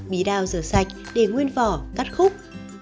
bí đao rửa sạch để nguyên vỏ cắt khúc